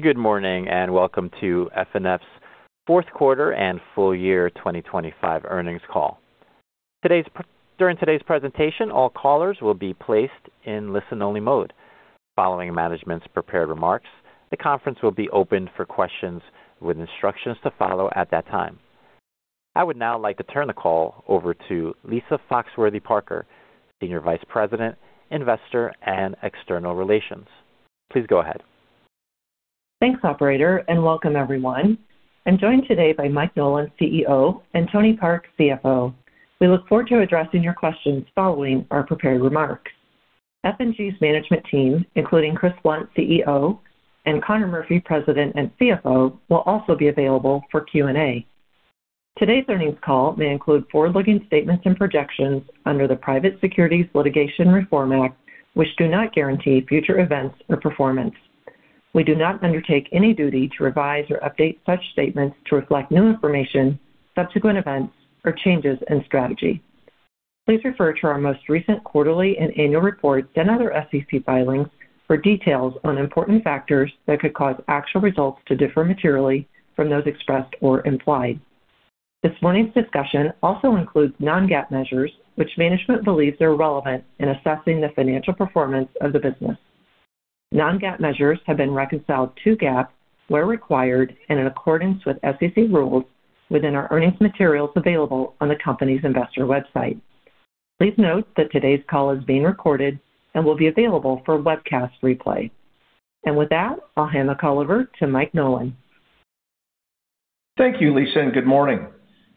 Good morning, and welcome to FNF's Fourth Quarter and Full Year 2025 Earnings Call. During today's presentation, all callers will be placed in listen-only mode. Following management's prepared remarks, the conference will be opened for questions with instructions to follow at that time. I would now like to turn the call over to Lisa Foxworthy-Parker, Senior Vice President, Investor and External Relations. Please go ahead. Thanks, operator, and welcome everyone. I'm joined today by Mike Nolan, CEO, and Tony Park, CFO. We look forward to addressing your questions following our prepared remarks. F&G's management team, including Chris Blunt, CEO, and Conor Murphy, President and CFO, will also be available for Q&A. Today's earnings call may include forward-looking statements and projections under the Private Securities Litigation Reform Act, which do not guarantee future events or performance. We do not undertake any duty to revise or update such statements to reflect new information, subsequent events, or changes in strategy. Please refer to our most recent quarterly and annual reports and other SEC filings for details on important factors that could cause actual results to differ materially from those expressed or implied. This morning's discussion also includes non-GAAP measures, which management believes are relevant in assessing the financial performance of the business. Non-GAAP measures have been reconciled to GAAP where required and in accordance with SEC rules within our earnings materials available on the company's investor website. Please note that today's call is being recorded and will be available for webcast replay. With that, I'll hand the call over to Mike Nolan. Thank you, Lisa, and good morning.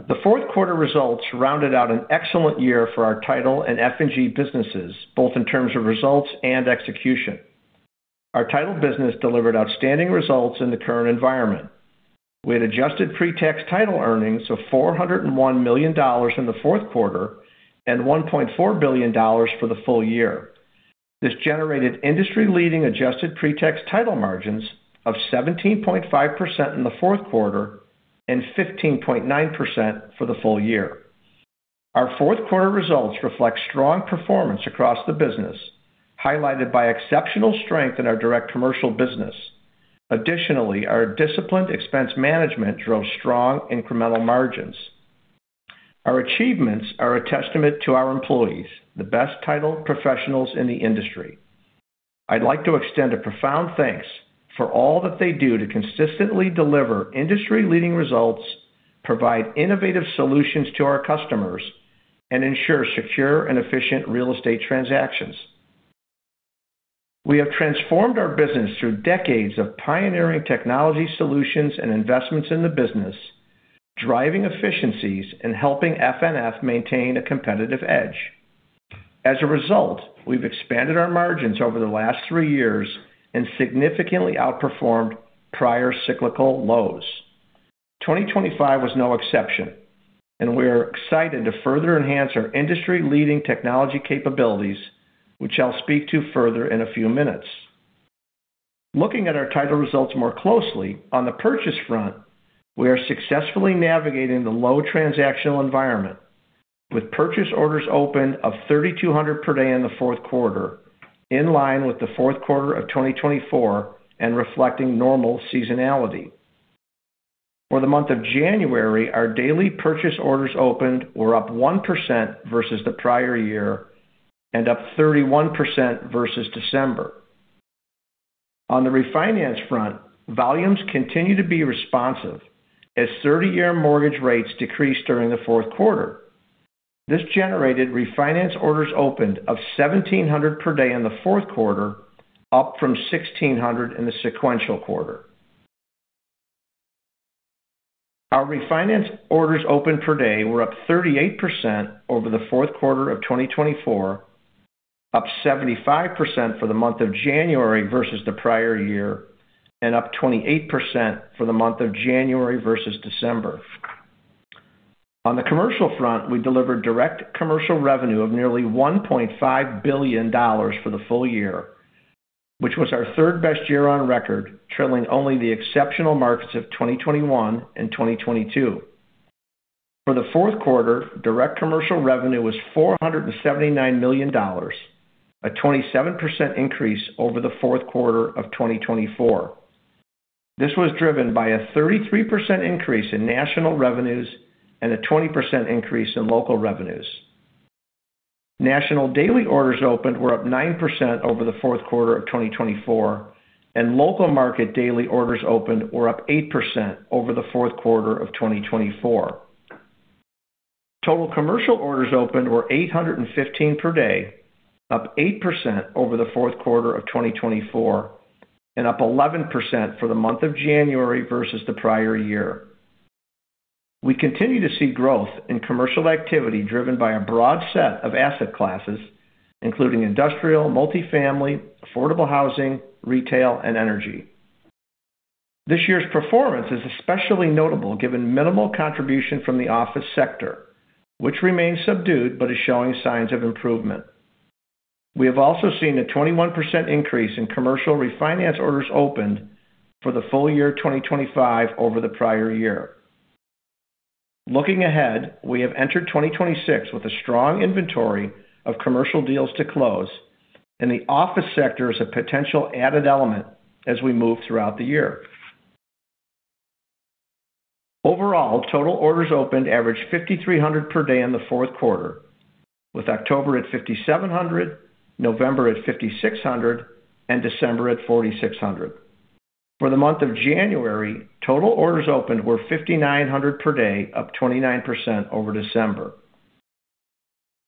The fourth quarter results rounded out an excellent year for our Title and F&G businesses, both in terms of results and execution. Our Title business delivered outstanding results in the current environment. We had adjusted pre-tax Title earnings of $401 million in the fourth quarter and $1.4 billion for the full year. This generated industry-leading adjusted pre-tax Title margins of 17.5% in the fourth quarter and 15.9% for the full year. Our fourth quarter results reflect strong performance across the business, highlighted by exceptional strength in our direct commercial business. Additionally, our disciplined expense management drove strong incremental margins. Our achievements are a testament to our employees, the best title professionals in the industry. I'd like to extend a profound thanks for all that they do to consistently deliver industry-leading results, provide innovative solutions to our customers, and ensure secure and efficient real estate transactions. We have transformed our business through decades of pioneering technology solutions and investments in the business, driving efficiencies and helping FNF maintain a competitive edge. As a result, we've expanded our margins over the last three years and significantly outperformed prior cyclical lows. 2025 was no exception, and we are excited to further enhance our industry-leading technology capabilities, which I'll speak to further in a few minutes. Looking at our Title results more closely, on the purchase front, we are successfully navigating the low transactional environment with purchase orders open of 3,200 per day in the fourth quarter, in line with the fourth quarter of 2024 and reflecting normal seasonality. For the month of January, our daily purchase orders opened were up 1% versus the prior year and up 31% versus December. On the refinance front, volumes continue to be responsive as 30-year mortgage rates decreased during the fourth quarter. This generated refinance orders opened of 1,700 per day in the fourth quarter, up from 1,600 in the sequential quarter. Our refinance orders opened per day were up 38% over the fourth quarter of 2024, up 75% for the month of January versus the prior year, and up 28% for the month of January versus December. On the commercial front, we delivered direct commercial revenue of nearly $1.5 billion for the full year, which was our third-best year on record, trailing only the exceptional markets of 2021 and 2022. For the fourth quarter, direct commercial revenue was $479 million, a 27% increase over the fourth quarter of 2024. This was driven by a 33% increase in national revenues and a 20% increase in local revenues. National daily orders opened were up 9% over the fourth quarter of 2024, and local market daily orders opened were up 8% over the fourth quarter of 2024. Total commercial orders opened were 815 per day, up 8% over the fourth quarter of 2024 and up 11% for the month of January versus the prior year. We continue to see growth in commercial activity driven by a broad set of asset classes, including industrial, multifamily, affordable housing, retail, and energy. This year's performance is especially notable given minimal contribution from the office sector, which remains subdued but is showing signs of improvement. We have also seen a 21% increase in commercial refinance orders opened for the full year 2025 over the prior year. Looking ahead, we have entered 2026 with a strong inventory of commercial deals to close, and the office sector is a potential added element as we move throughout the year. Overall, total orders opened averaged 5,300 per day in the fourth quarter, with October at 5,700, November at 5,600, and December at 4,600. For the month of January, total orders opened were 5,900 per day, up 29% over December.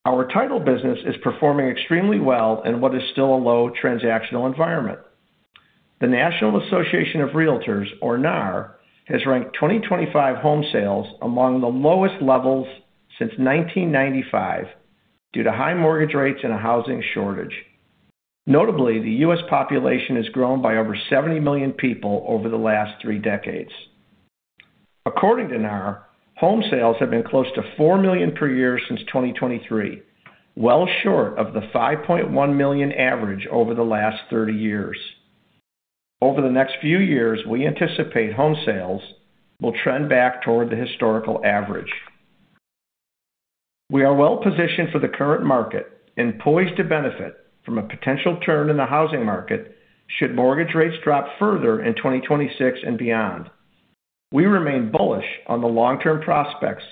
Our Title business is performing extremely well in what is still a low transactional environment. The National Association of Realtors, or NAR, has ranked 2025 home sales among the lowest levels since 1995 due to high mortgage rates and a housing shortage. Notably, the U.S. population has grown by over 70 million people over the last three decades. According to NAR, home sales have been close to four million per year since 2023, well short of the 5.1 million average over the last 30 years. Over the next few years, we anticipate home sales will trend back toward the historical average. We are well-positioned for the current market and poised to benefit from a potential turn in the housing market should mortgage rates drop further in 2026 and beyond. We remain bullish on the long-term prospects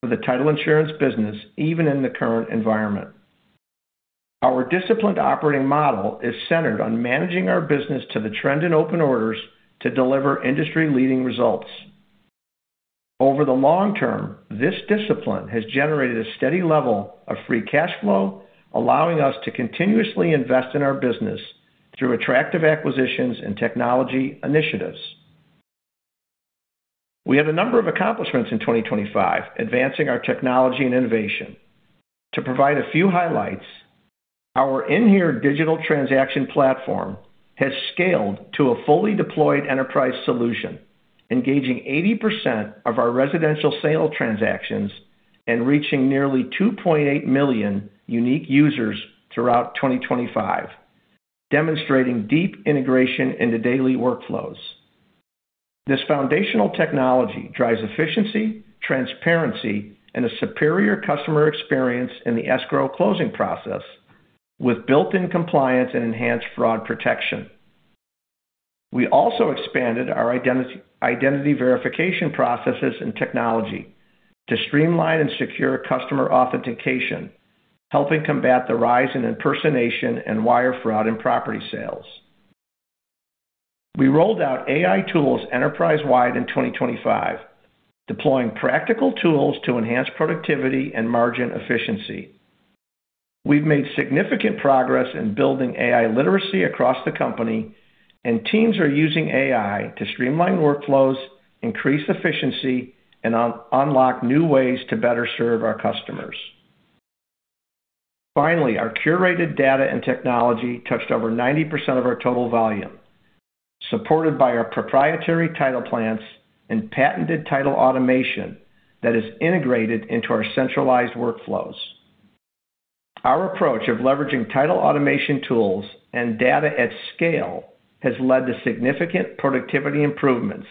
for the Title Insurance business, even in the current environment. Our disciplined operating model is centered on managing our business to the trend in open orders to deliver industry-leading results. Over the long term, this discipline has generated a steady level of free cash flow, allowing us to continuously invest in our business through attractive acquisitions and technology initiatives. We had a number of accomplishments in 2025 advancing our technology and innovation. To provide a few highlights, our inHere digital transaction platform has scaled to a fully deployed enterprise solution, engaging 80% of our residential sale transactions and reaching nearly 2.8 million unique users throughout 2025, demonstrating deep integration into daily workflows. This foundational technology drives efficiency, transparency, and a superior customer experience in the escrow closing process, with built-in compliance and enhanced fraud protection. We also expanded our identity verification processes and technology to streamline and secure customer authentication, helping combat the rise in impersonation and wire fraud in property sales. We rolled out AI tools enterprise-wide in 2025, deploying practical tools to enhance productivity and margin efficiency. We've made significant progress in building AI literacy across the company, and teams are using AI to streamline workflows, increase efficiency, and unlock new ways to better serve our customers. Finally, our curated data and technology touched over 90% of our total volume, supported by our proprietary title plants and patented title automation that is integrated into our centralized workflows. Our approach of leveraging title automation tools and data at scale has led to significant productivity improvements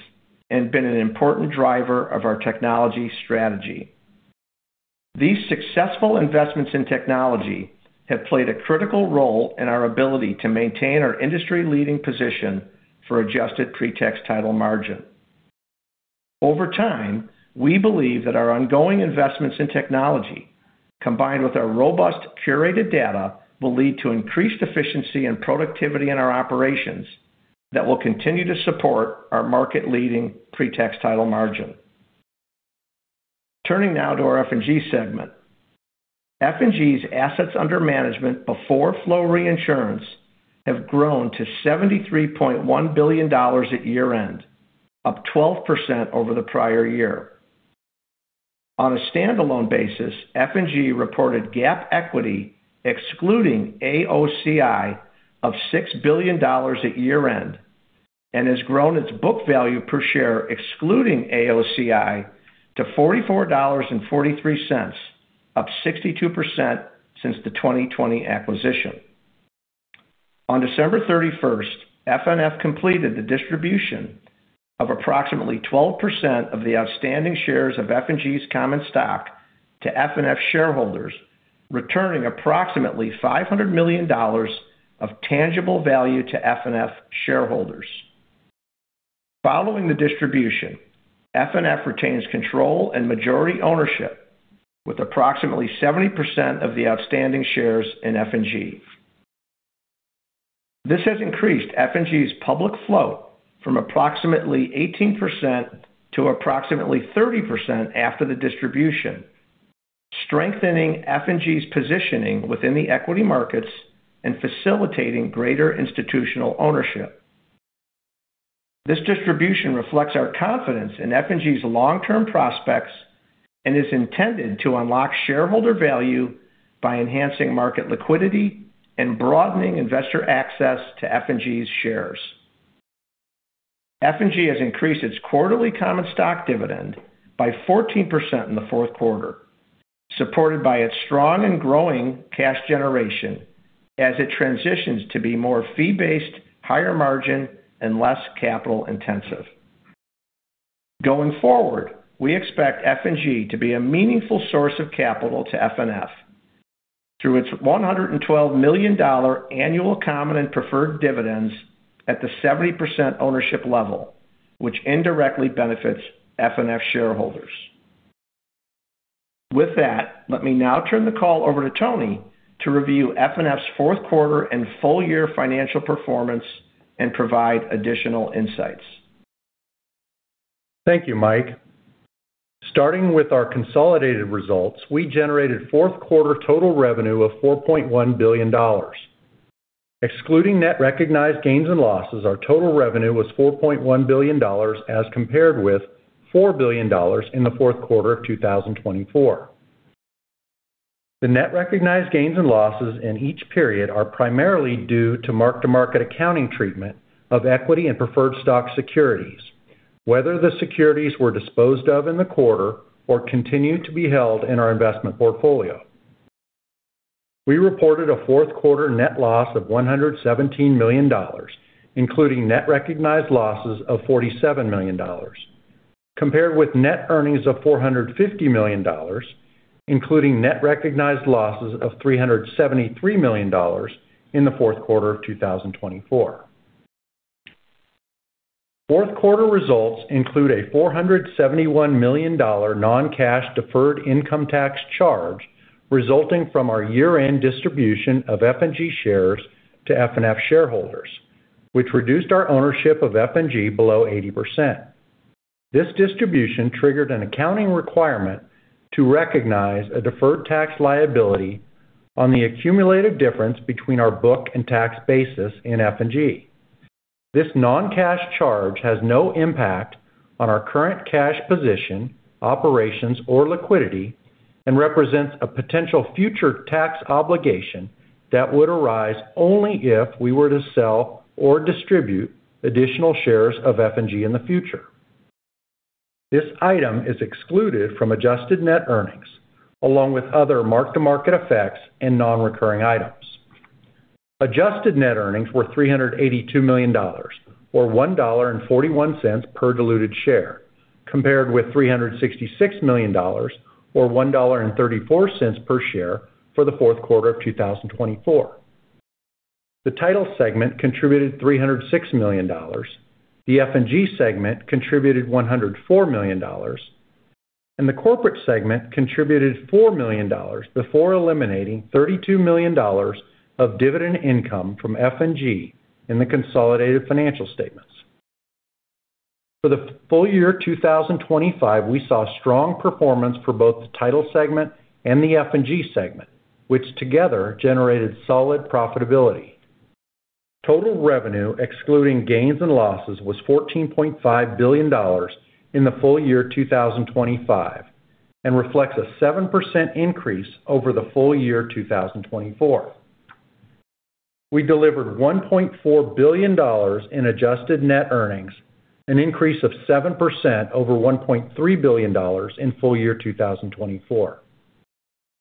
and been an important driver of our technology strategy. These successful investments in technology have played a critical role in our ability to maintain our industry-leading position for adjusted pre-tax Title margin. Over time, we believe that our ongoing investments in technology, combined with our robust curated data, will lead to increased efficiency and productivity in our operations that will continue to support our market-leading pre-tax Title margin. Turning now to our F&G segment. F&G's assets under management before flow reinsurance have grown to $73.1 billion at year-end, up 12% over the prior year. On a standalone basis, F&G reported GAAP equity, excluding AOCI, of $6 billion at year-end and has grown its book value per share, excluding AOCI, to $44.43, up 62% since the 2020 acquisition. On December 31st, F&G completed the distribution of approximately 12% of the outstanding shares of F&G's common stock to FNF shareholders, returning approximately $500 million of tangible value to FNF shareholders. Following the distribution, FNF retains control and majority ownership, with approximately 70% of the outstanding shares in F&G. This has increased F&G's public float from approximately 18% to approximately 30% after the distribution, strengthening F&G's positioning within the equity markets and facilitating greater institutional ownership. This distribution reflects our confidence in F&G's long-term prospects and is intended to unlock shareholder value by enhancing market liquidity and broadening investor access to F&G's shares. F&G has increased its quarterly common stock dividend by 14% in the fourth quarter, supported by its strong and growing cash generation as it transitions to be more fee-based, higher margin, and less capital-intensive. Going forward, we expect F&G to be a meaningful source of capital to FNF through its $112 million annual common and preferred dividends at the 70% ownership level, which indirectly benefits FNF shareholders. With that, let me now turn the call over to Tony to review FNF's fourth quarter and full year financial performance and provide additional insights. Thank you, Mike. Starting with our consolidated results, we generated fourth quarter total revenue of $4.1 billion. Excluding net recognized gains and losses, our total revenue was $4.1 billion, as compared with $4 billion in the fourth quarter of 2024. The net recognized gains and losses in each period are primarily due to mark-to-market accounting treatment of equity and preferred stock securities, whether the securities were disposed of in the quarter or continued to be held in our investment portfolio. We reported a fourth quarter net loss of $117 million, including net recognized losses of $47 million, compared with net earnings of $450 million, including net recognized losses of $373 million in the fourth quarter of 2024. Fourth quarter results include a $471 million non-cash deferred income tax charge resulting from our year-end distribution of F&G shares to FNF shareholders, which reduced our ownership of F&G below 80%. This distribution triggered an accounting requirement to recognize a deferred tax liability on the accumulated difference between our book and tax basis in F&G. This non-cash charge has no impact on our current cash position, operations, or liquidity and represents a potential future tax obligation that would arise only if we were to sell or distribute additional shares of F&G in the future. This item is excluded from adjusted net earnings, along with other mark-to-market effects and non-recurring items. Adjusted net earnings were $382 million, or $1.41 per diluted share, compared with $366 million, or $1.34 per share, for the fourth quarter of 2024. The Title segment contributed $306 million, the F&G segment contributed $104 million, and the Corporate segment contributed $4 million before eliminating $32 million of dividend income from F&G in the consolidated financial statements. For the full year 2025, we saw strong performance for both the Title segment and the F&G segment, which together generated solid profitability. Total revenue, excluding gains and losses, was $14.5 billion in the full year 2025 and reflects a 7% increase over the full year 2024. We delivered $1.4 billion in adjusted net earnings, an increase of 7% over $1.3 billion in full year 2024.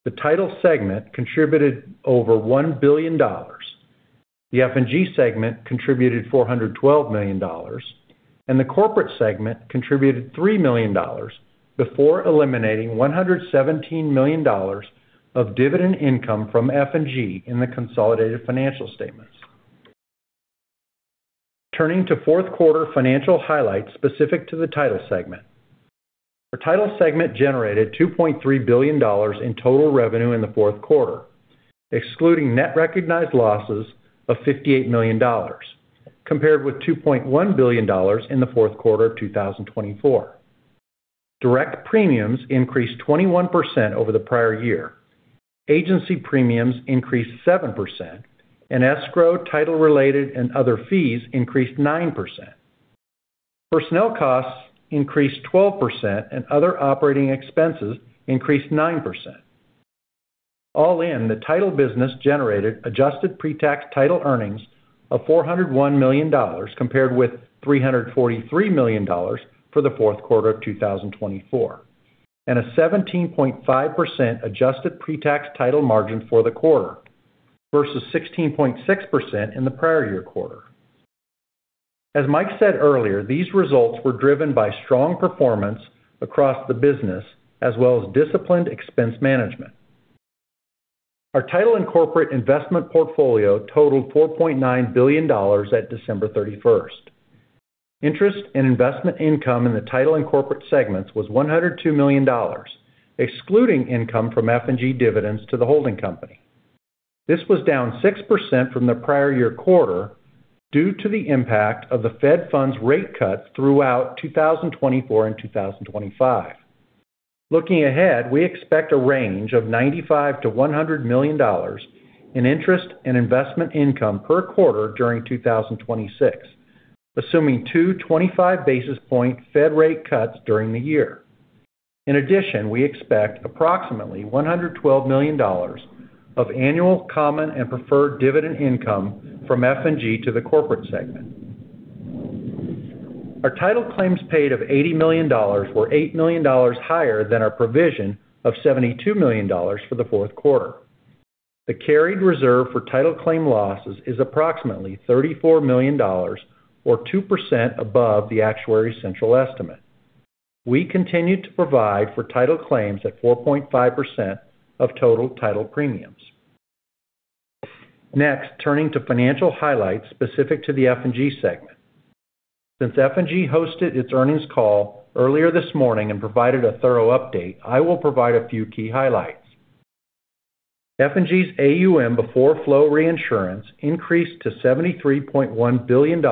The Title segment contributed over $1 billion, the F&G segment contributed $412 million, and the Corporate segment contributed $3 million before eliminating $117 million of dividend income from F&G in the consolidated financial statements. Turning to fourth quarter financial highlights specific to the Title segment. The Title segment generated $2.3 billion in total revenue in the fourth quarter, excluding net recognized losses of $58 million, compared with $2.1 billion in the fourth quarter of 2024. Direct premiums increased 21% over the prior year. Agency premiums increased 7%, and escrow, title-related, and other fees increased 9%. Personnel costs increased 12%, and other operating expenses increased 9%. All in, the Title business generated adjusted pre-tax Title earnings of $401 million, compared with $343 million for the fourth quarter of 2024, and a 17.5% adjusted pre-tax Title margin for the quarter versus 16.6% in the prior year quarter. As Mike said earlier, these results were driven by strong performance across the business as well as disciplined expense management. Our Title and Corporate investment portfolio totaled $4.9 billion at December 31st. Interest and investment income in the Title and Corporate segments was $102 million, excluding income from F&G dividends to the holding company. This was down 6% from the prior year quarter due to the impact of the Fed funds rate cut throughout 2024 and 2025. Looking ahead, we expect a range of $95 million-$100 million in interest and investment income per quarter during 2026, assuming two 25 basis point Fed rate cuts during the year. In addition, we expect approximately $112 million of annual common and preferred dividend income from F&G to the Corporate segment. Our Title claims paid of $80 million were $8 million higher than our provision of $72 million for the fourth quarter. The carried reserve for Title claim losses is approximately $34 million, or 2% above the actuary's central estimate. We continue to provide for Title claims at 4.5% of total Title premiums. Next, turning to financial highlights specific to the F&G segment. Since F&G hosted its earnings call earlier this morning and provided a thorough update, I will provide a few key highlights. F&G's AUM before flow reinsurance increased to $73.1 billion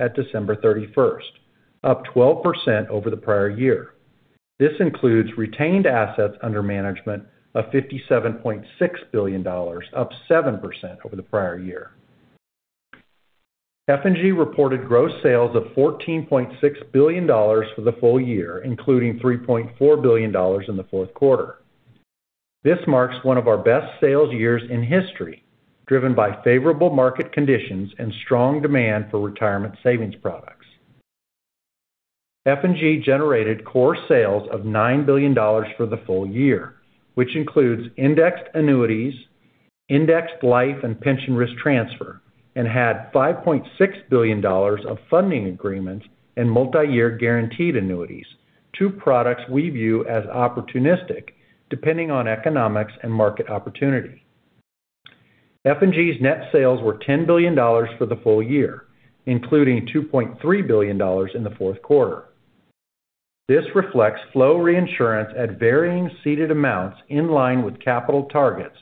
at December 31st, up 12% over the prior year. This includes retained assets under management of $57.6 billion, up 7% over the prior year. F&G reported gross sales of $14.6 billion for the full year, including $3.4 billion in the fourth quarter. This marks one of our best sales years in history, driven by favorable market conditions and strong demand for retirement savings products. F&G generated core sales of $9 billion for the full year, which includes indexed annuities, indexed life, and pension risk transfer, and had $5.6 billion of funding agreements and multiyear guaranteed annuities, two products we view as opportunistic, depending on economics and market opportunity. F&G's net sales were $10 billion for the full year, including $2.3 billion in the fourth quarter. This reflects flow reinsurance at varying ceded amounts in line with capital targets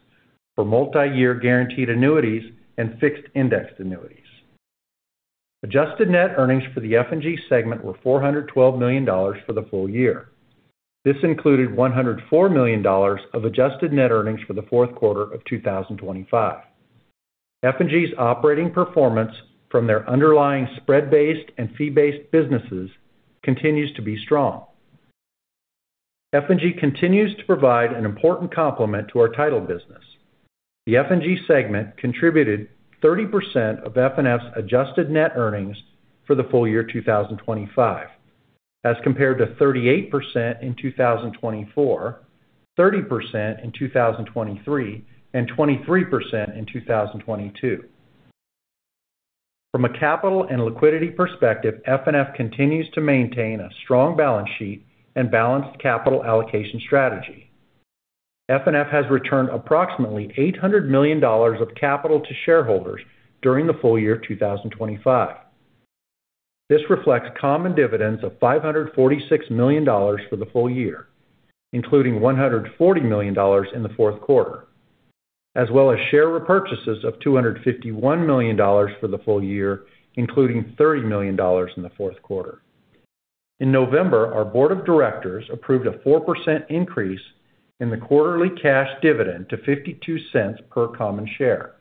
for multiyear guaranteed annuities and fixed indexed annuities. Adjusted net earnings for the F&G segment were $412 million for the full year. This included $104 million of adjusted net earnings for the fourth quarter of 2025. F&G's operating performance from their underlying spread-based and fee-based businesses continues to be strong. F&G continues to provide an important complement to our Title business. The F&G segment contributed 30% of FNF's adjusted net earnings for the full year 2025, as compared to 38% in 2024, 30% in 2023, and 23% in 2022. From a capital and liquidity perspective, FNF continues to maintain a strong balance sheet and balanced capital allocation strategy. FNF has returned approximately $800 million of capital to shareholders during the full year of 2025. This reflects common dividends of $546 million for the full year, including $140 million in the fourth quarter, as well as share repurchases of $251 million for the full year, including $30 million in the fourth quarter. In November, our Board of Directors approved a 4% increase in the quarterly cash dividend to $0.52 per common share.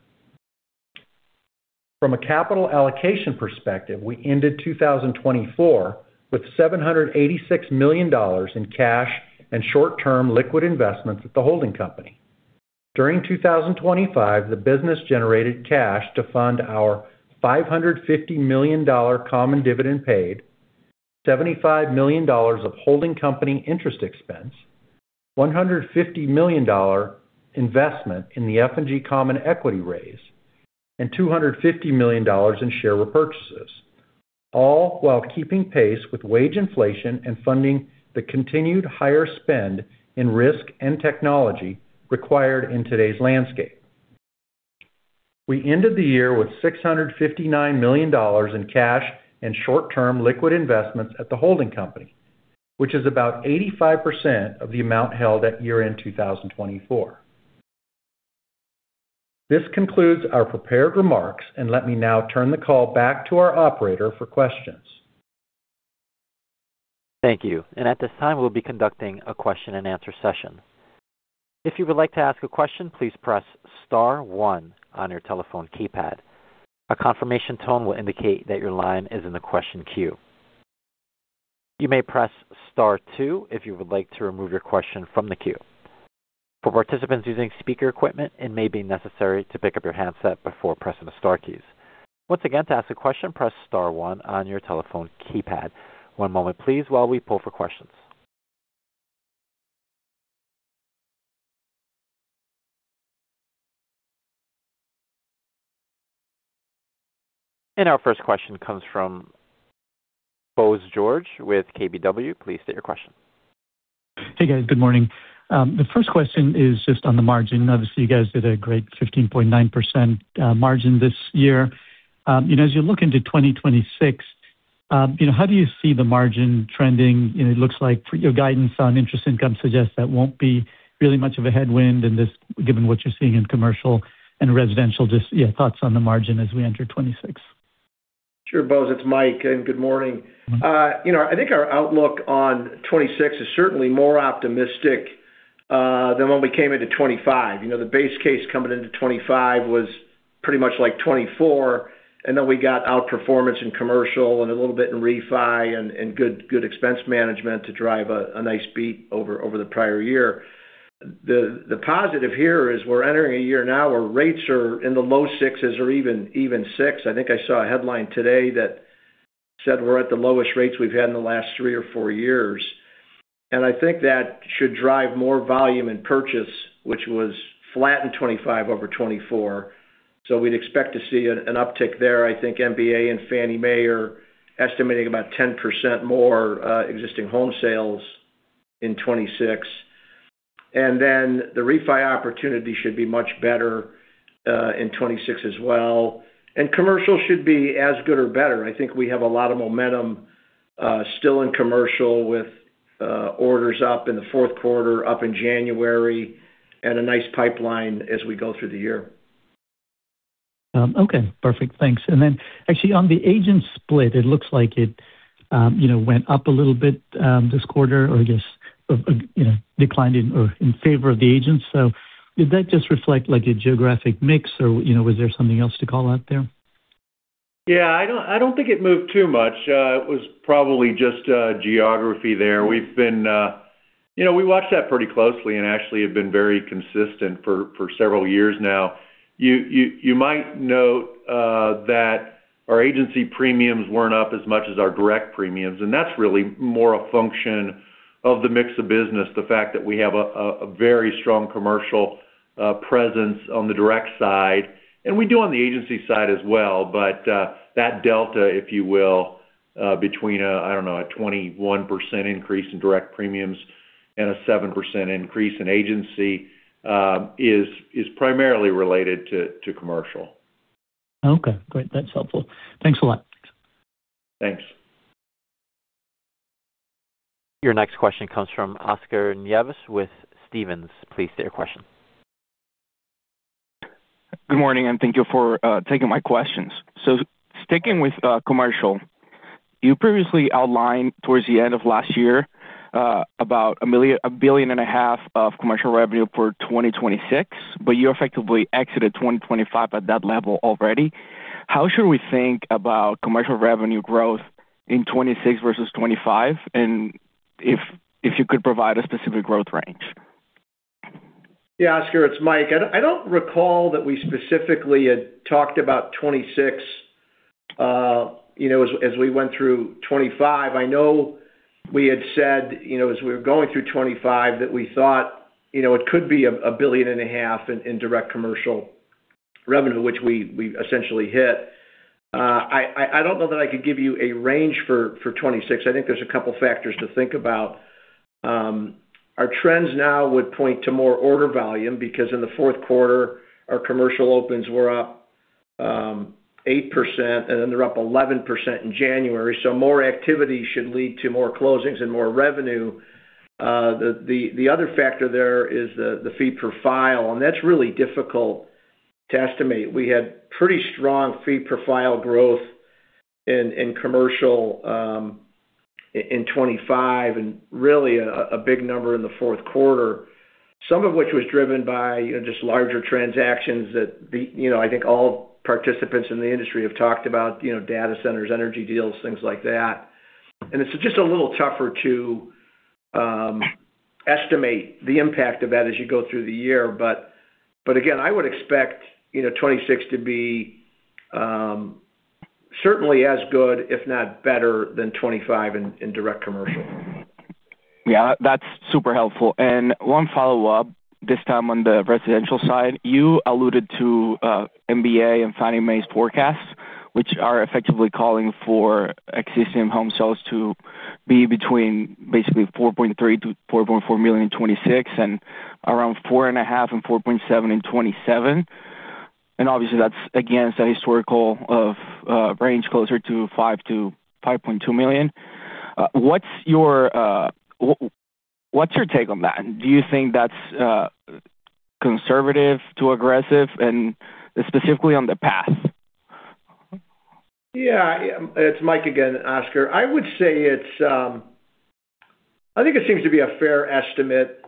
From a capital allocation perspective, we ended 2024 with $786 million in cash and short-term liquid investments at the holding company. During 2025, the business generated cash to fund our $550 million common dividend paid, $75 million of holding company interest expense, $150 million investment in the F&G common equity raise, and $250 million in share repurchases, all while keeping pace with wage inflation and funding the continued higher spend in risk and technology required in today's landscape. We ended the year with $659 million in cash and short-term liquid investments at the holding company, which is about 85% of the amount held at year-end 2024. This concludes our prepared remarks, and let me now turn the call back to our operator for questions. Thank you. At this time, we'll be conducting a question-and-answer session. If you would like to ask a question, please press star one on your telephone keypad. A confirmation tone will indicate that your line is in the question queue. You may press star two if you would like to remove your question from the queue. For participants using speaker equipment, it may be necessary to pick up your handset before pressing the star keys. Once again, to ask a question, press star one on your telephone keypad. One moment please while we pull for questions. Our first question comes from Bose George with KBW. Please state your question. Hey, guys. Good morning. The first question is just on the margin. Obviously, you guys did a great 15.9% margin this year. You know, as you look into 2026, you know, how do you see the margin trending? You know, it looks like your guidance on interest income suggests that won't be really much of a headwind, and just given what you're seeing in commercial and residential, just, yeah, thoughts on the margin as we enter 2026. Sure, Bose, it's Mike, and good morning. You know, I think our outlook on 2026 is certainly more optimistic than when we came into 2025. You know, the base case coming into 2025 was pretty much like 2024, and then we got outperformance in commercial and a little bit in refi and good expense management to drive a nice beat over the prior year. The positive here is we're entering a year now where rates are in the low sixes or even six. I think I saw a headline today that said we're at the lowest rates we've had in the last three or four years. And I think that should drive more volume in purchase, which was flat in 2025 over 2024. So we'd expect to see an uptick there. I think MBA and Fannie Mae are estimating about 10% more existing home sales in 2026. And then the refi opportunity should be much better in 2026 as well. And commercial should be as good or better. I think we have a lot of momentum still in commercial, with orders up in the fourth quarter, up in January, and a nice pipeline as we go through the year. Okay, perfect. Thanks. And then, actually, on the agent split, it looks like it, you know, went up a little bit, this quarter, or I guess, you know, declined in, or in favor of the agents. So did that just reflect like a geographic mix or, you know, was there something else to call out there? Yeah, I don't think it moved too much. It was probably just geography there. We've been—you know, we watch that pretty closely and actually have been very consistent for several years now. You might note that our agency premiums weren't up as much as our direct premiums, and that's really more a function of the mix of business, the fact that we have a very strong commercial presence on the direct side, and we do on the agency side as well. But that delta, if you will, between, I don't know, a 21% increase in direct premiums and a 7% increase in agency is primarily related to commercial. Okay, great. That's helpful. Thanks a lot. Thanks. Your next question comes from Oscar Nieves with Stephens. Please state your question. Good morning, and thank you for taking my questions. So sticking with commercial, you previously outlined towards the end of last year about a million—$1.5 billion of commercial revenue for 2026, but you effectively exited 2025 at that level already. How should we think about commercial revenue growth in 2026 versus 2025, and if you could provide a specific growth range? Yeah, Oscar, it's Mike. I don't, I don't recall that we specifically had talked about 2026, you know, as, as we went through 2025. I know we had said, you know, as we were going through 2025, that we thought, you know, it could be a $1.5 billion in direct commercial revenue, which we essentially hit. I don't know that I could give you a range for 2026. I think there's a couple factors to think about. Our trends now would point to more order volume, because in the fourth quarter, our commercial opens were up, 8%, and then they're up 11% in January. So more activity should lead to more closings and more revenue. The other factor there is the, the fee per file, and that's really difficult to estimate. We had pretty strong fee per file growth in commercial in 2025, and really a big number in the fourth quarter. Some of which was driven by, you know, just larger transactions that you know, I think all participants in the industry have talked about, you know, data centers, energy deals, things like that. And it's just a little tougher to estimate the impact of that as you go through the year. But again, I would expect, you know, 2026 to be certainly as good, if not better, than 2025 in direct commercial. Yeah, that's super helpful. And one follow-up, this time on the residential side. You alluded to MBA and Fannie Mae's forecasts, which are effectively calling for existing home sales to be between basically 4.3 million-4.4 million in 2026, and around 4.5 million-4.7 million in 2027. And obviously, that's against a historical range closer to 5 million-5.2 million. What's your take on that? Do you think that's conservative to aggressive, and specifically on the path? Yeah. It's Mike again, Oscar. I would say it's—I think it seems to be a fair estimate.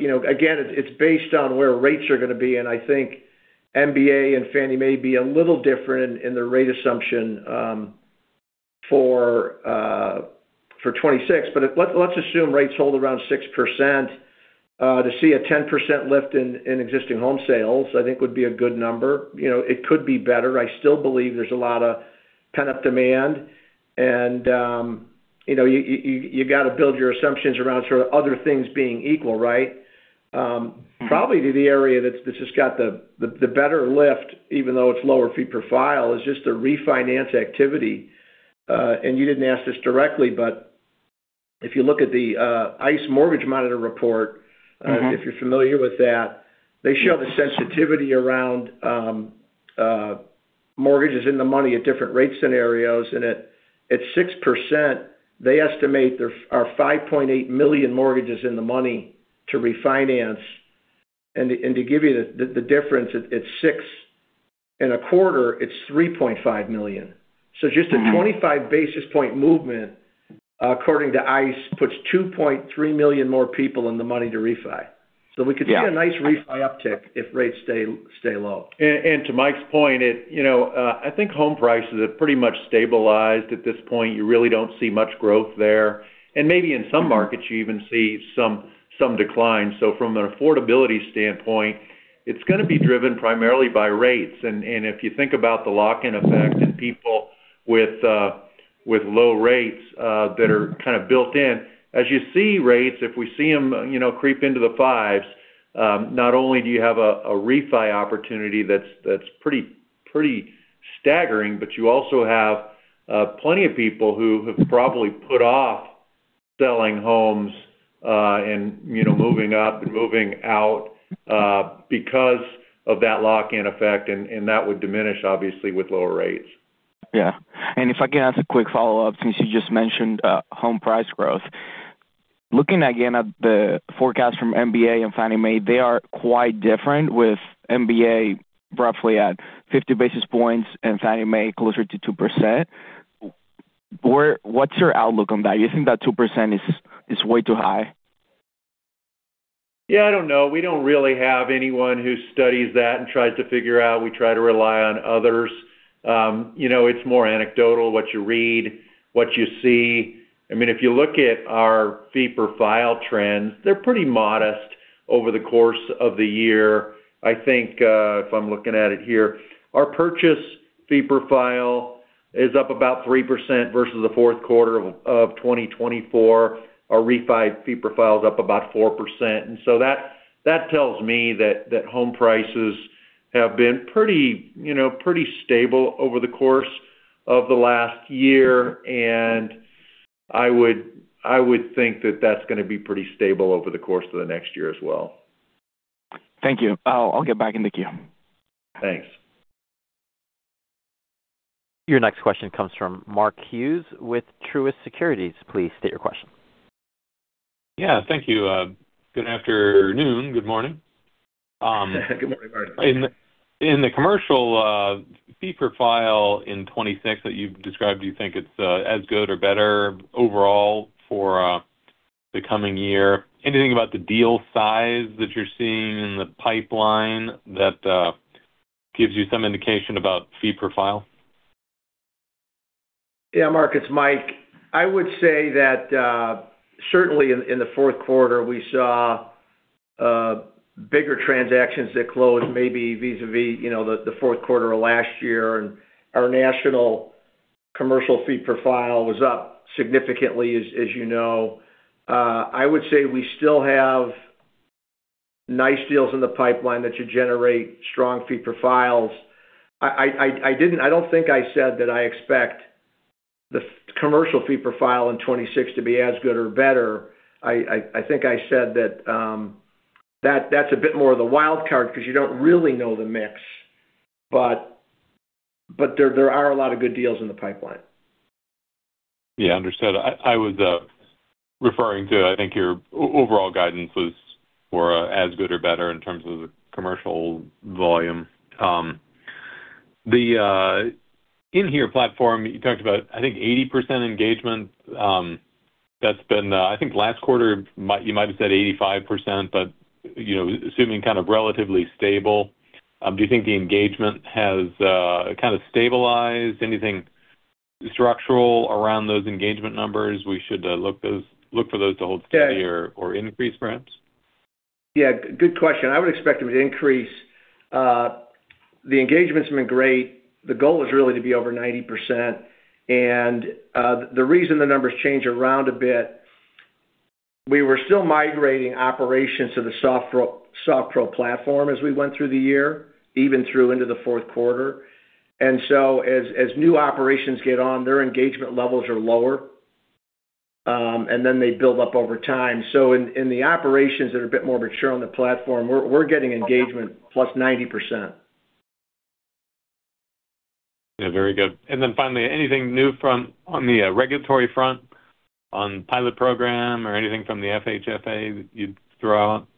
You know, again, it's based on where rates are going to be, and I think MBA and Fannie Mae be a little different in their rate assumption, for 2026. But let's assume rates hold around 6%. To see a 10% lift in, in existing home sales, I think would be a good number. You know, it could be better. I still believe there's a lot of pent-up demand and, you know, you got to build your assumptions around sort of other things being equal, right? Probably the area that's just got the better lift, even though it's lower fee per file, is just the refinance activity. And you didn't ask this directly, but if you look at the ICE Mortgage Monitor report, If you're familiar with that, they show the sensitivity around mortgages in the money at different rate scenarios. And at 6%, they estimate there are 5.8 million mortgages in the money to refinance. And to give you the difference, at 6.25%, it's 3.5 million. Mm-hmm. So just a 25 basis point movement, according to ICE, puts 2.3 million more people in the money to refi. Yeah. We could see a nice refi uptick if rates stay low. And to Mike's point, it, you know, I think home prices have pretty much stabilized at this point. You really don't see much growth there. And maybe in some markets, you even see some decline. So from an affordability standpoint, it’s going to be driven primarily by rates. And if you think about the lock-in effect and people with low rates that are kind of built in. As you see rates, if we see them, you know, creep into the fives, not only do you have a refi opportunity that's pretty staggering, but you also have plenty of people who have probably put off selling homes, and, you know, moving up and moving out because of that lock-in effect, and that would diminish, obviously, with lower rates. Yeah. And if I can ask a quick follow-up, since you just mentioned home price growth. Looking again at the forecast from MBA and Fannie Mae, they are quite different, with MBA roughly at 50 basis points and Fannie Mae closer to 2%. What's your outlook on that? Do you think that 2% is way too high? Yeah, I don't know. We don't really have anyone who studies that and tries to figure out. We try to rely on others. You know, it's more anecdotal, what you read, what you see. I mean, if you look at our fee per file trends, they're pretty modest over the course of the year. I think, if I'm looking at it here, our purchase fee per file is up about 3% versus the fourth quarter of 2024. Our refi fee per file is up about 4%. And so that tells me that home prices have been pretty, you know, pretty stable over the course of the last year. And I would think that that's going to be pretty stable over the course of the next year as well. Thank you. I'll get back in the queue. Thanks. Your next question comes from Mark Hughes with Truist Securities. Please state your question. Yeah, thank you. Good afternoon. Good morning. Good morning, Mark. In the commercial fee per file in 2026 that you've described, do you think it's as good or better overall for the coming year? Anything about the deal size that you're seeing in the pipeline that gives you some indication about fee per file? Yeah, Mark, it's Mike. I would say that certainly in the fourth quarter, we saw bigger transactions that closed, maybe vis-a-vis, you know, the fourth quarter of last year, and our national commercial fee per file was up significantly, as you know. I would say we still have nice deals in the pipeline that should generate strong fee per files. I didn't—I don't think I said that I expect the commercial fee per file in 2026 to be as good or better. I think I said that that's a bit more of the wild card because you don't really know the mix. But there are a lot of good deals in the pipeline. Yeah, understood. I was referring to, I think, your overall guidance was for as good or better in terms of the commercial volume. The inHere platform, you talked about, I think, 80% engagement. That's been, I think last quarter, might, you might have said 85%, but, you know, assuming kind of relatively stable. Do you think the engagement has kind of stabilized? Anything structural around those engagement numbers we should look for those to hold steady or increase, perhaps? Yeah, good question. I would expect them to increase. The engagement's been great. The goal is really to be over 90%. And, the reason the numbers change around a bit, we were still migrating operations to the SoftPro, SoftPro platform as we went through the year, even through into the fourth quarter. And so as new operations get on, their engagement levels are lower, and then they build up over time. So in the operations that are a bit more mature on the platform, we're getting engagement plus 90%. Yeah, very good. And then finally, anything new from—on the regulatory front, on pilot program or anything from the FHFA that you'd throw out?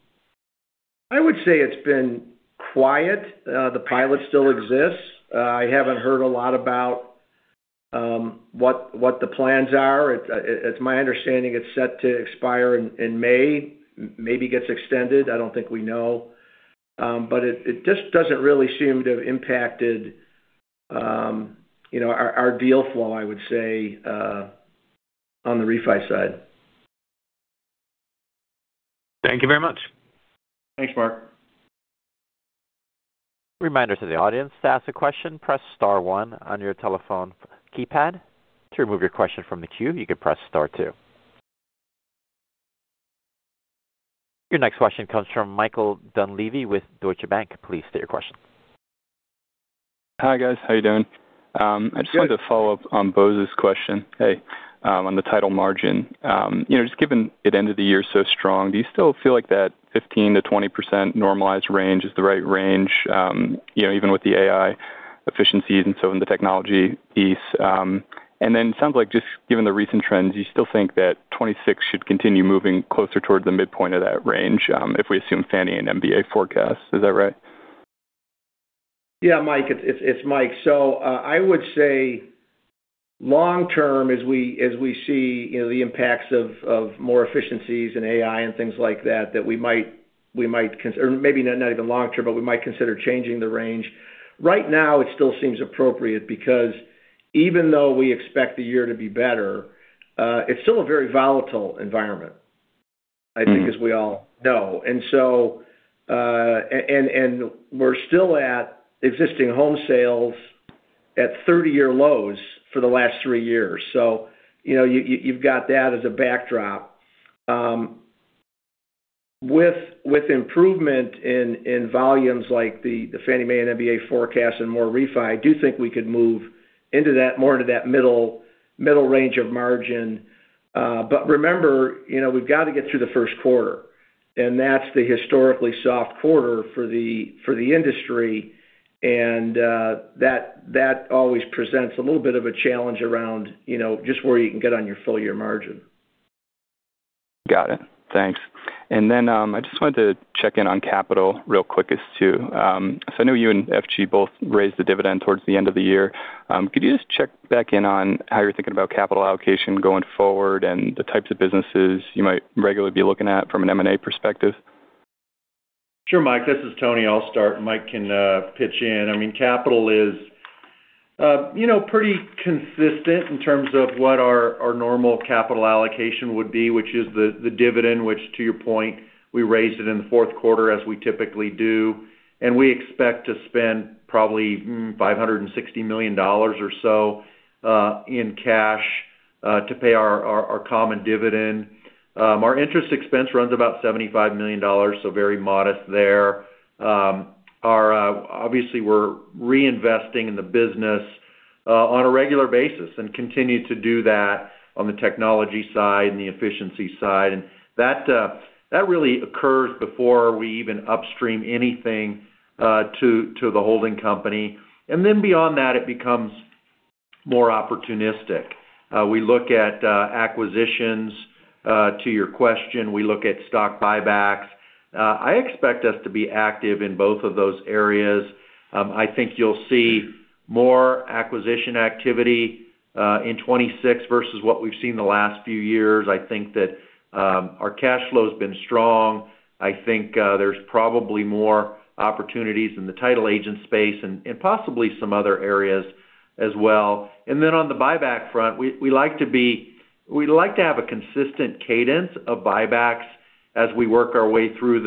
I would say it's been quiet. The pilot still exists. I haven't heard a lot about what the plans are. It's my understanding it's set to expire in May. Maybe gets extended. I don't think we know. But it just doesn't really seem to have impacted, you know, our deal flow, I would say, on the refi side. Thank you very much. Thanks, Mark. Reminder to the audience, to ask a question, press star one on your telephone keypad. To remove your question from the queue, you can press star two. Your next question comes from Michael Dunlevy with Deutsche Bank. Please state your question. Hi, guys. How are you doing? Good. I just wanted to follow up on Bose's question, hey, on the Title margin. You know, just given it ended the year so strong, do you still feel like that 15%-20% normalized range is the right range, you know, even with the AI efficiencies and so in the technology piece? And then it sounds like just given the recent trends, you still think that 2026 should continue moving closer towards the midpoint of that range, if we assume Fannie Mae and MBA forecast. Is that right? Yeah, Mike, it's Mike. So, I would say long term, as we see, you know, the impacts of, of more efficiencies and AI and things like that, that we might or maybe not even long term, but we might consider changing the range. Right now, it still seems appropriate because even though we expect the year to be better, it's still a very volatile environment. I think, as we all know. So, we're still at existing home sales at 30-year lows for the last three years. So, you know, you've got that as a backdrop. With improvement in volumes like the Fannie Mae and MBA forecast and more refi, I do think we could move into more into that middle range of margin. But remember, you know, we've got to get through the first quarter, and that's the historically soft quarter for the industry. And, that always presents a little bit of a challenge around, you know, just where you can get on your full year margin. Got it. Thanks. And then, I just wanted to check in on capital real quick as to—so I know you and F&G both raised the dividend towards the end of the year. Could you just check back in on how you're thinking about capital allocation going forward, and the types of businesses you might regularly be looking at from an M&A perspective? Sure, Mike, this is Tony. I'll start, Mike can pitch in. I mean, capital is, you know, pretty consistent in terms of what our normal capital allocation would be, which is the dividend, which, to your point, we raised it in the fourth quarter, as we typically do. And we expect to spend probably $560 million or so in cash to pay our common dividend. Our interest expense runs about $75 million, so very modest there. Obviously, we're reinvesting in the business on a regular basis and continue to do that on the technology side and the efficiency side. And that really occurs before we even upstream anything to the holding company. And then beyond that, it becomes more opportunistic. We look at acquisitions, to your question. We look at stock buybacks. I expect us to be active in both of those areas. I think you'll see more acquisition activity in 2026 versus what we've seen the last few years. I think that our cash flow has been strong. I think there's probably more opportunities in the Title agent space and possibly some other areas as well. And then on the buyback front, we like to have a consistent cadence of buybacks as we work our way through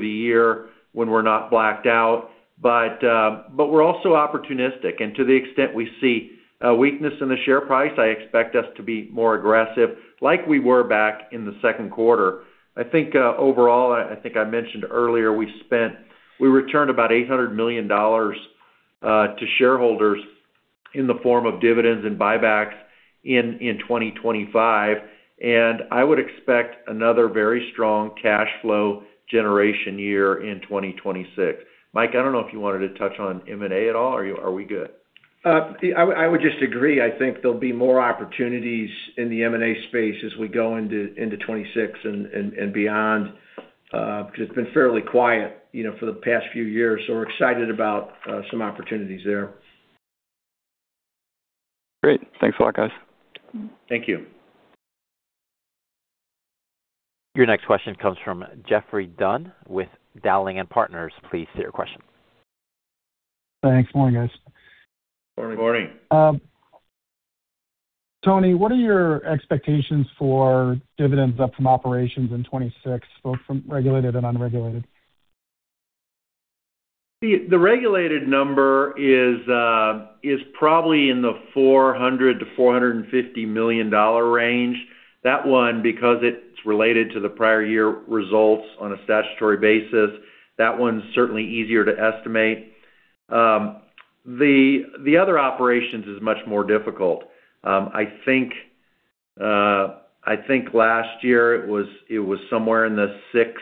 the year when we're not blacked out. But we're also opportunistic, and to the extent we see a weakness in the share price, I expect us to be more aggressive like we were back in the second quarter. I think, overall, I think I mentioned earlier, we returned about $800 million to shareholders in the form of dividends and buybacks in 2025, and I would expect another very strong cash flow generation year in 2026. Mike, I don't know if you wanted to touch on M&A at all, or are we good? I would just agree. I think there'll be more opportunities in the M&A space as we go into 2026 and beyond, because it's been fairly quiet, you know, for the past few years, so we're excited about some opportunities there. Great. Thanks a lot, guys. Thank you. Your next question comes from Jeffrey Dunn with Dowling & Partners. Please state your question. Thanks. Morning, guys. Good morning. Morning. Tony, what are your expectations for dividends up from operations in 2026, both from regulated and unregulated? The regulated number is probably in the $400 million-$450 million range. That one, because it's related to the prior year results on a statutory basis, that one's certainly easier to estimate. The other operations is much more difficult. I think last year it was somewhere in the $600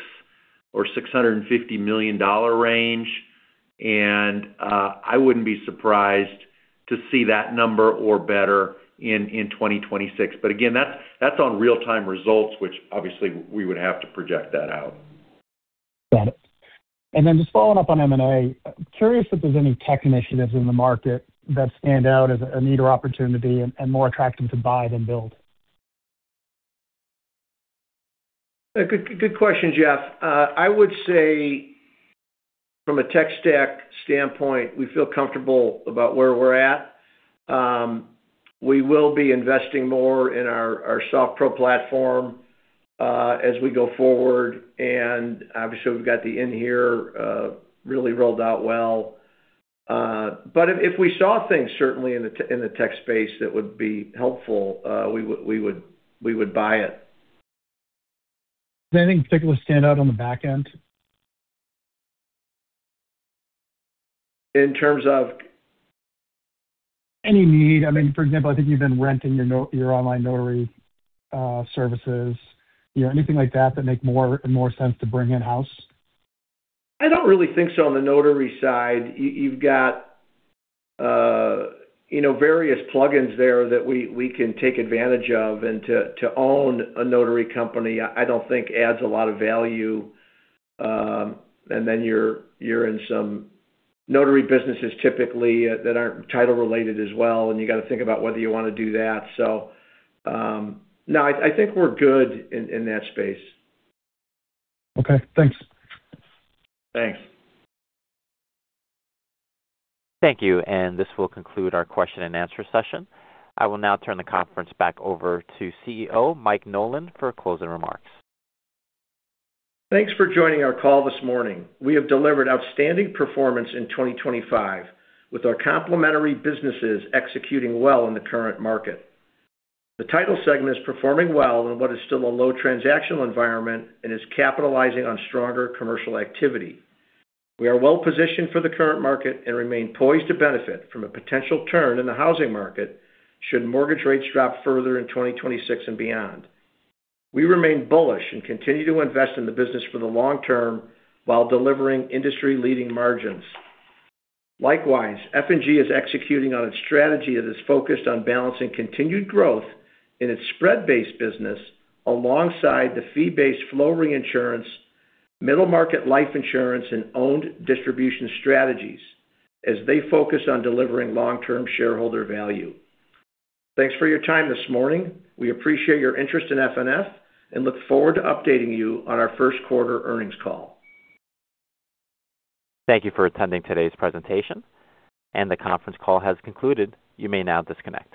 million-$650 million range, and I wouldn't be surprised to see that number or better in 2026. But again, that's on real-time results, which obviously we would have to project that out. Got it. And then just following up on M&A, I'm curious if there's any tech initiatives in the market that stand out as a neater opportunity and more attractive to buy than build? Good, good question, Jeff. I would say from a tech stack standpoint, we feel comfortable about where we're at. We will be investing more in our SoftPro platform, as we go forward, and obviously, we've got the inHere, really rolled out well. But if we saw things certainly in the tech space, that would be helpful, we would buy it. Does anything particular stand out on the back end? In terms of? Any need? I mean, for example, I think you've been renting your online notary services. You know, anything like that, that make more and more sense to bring in-house? I don't really think so. On the notary side, you've got, you know, various plugins there that we can take advantage of, and to own a notary company, I don't think adds a lot of value. And then you're in some notary businesses typically that aren't title-related as well, and you got to think about whether you wanna do that. So, no, I think we're good in that space. Okay, thanks. Thanks. Thank you, and this will conclude our question and answer session. I will now turn the conference back over to CEO, Mike Nolan, for closing remarks. Thanks for joining our call this morning. We have delivered outstanding performance in 2025, with our complementary businesses executing well in the current market. The Title segment is performing well in what is still a low transactional environment and is capitalizing on stronger commercial activity. We are well positioned for the current market and remain poised to benefit from a potential turn in the housing market, should mortgage rates drop further in 2026 and beyond. We remain bullish and continue to invest in the business for the long term while delivering industry-leading margins. Likewise, F&G is executing on its strategy that is focused on balancing continued growth in its spread-based business, alongside the fee-based flow reinsurance, middle market life insurance, and owned distribution strategies, as they focus on delivering long-term shareholder value. Thanks for your time this morning. We appreciate your interest in FNF and look forward to updating you on our first quarter earnings call. Thank you for attending today's presentation. The conference call has concluded. You may now disconnect.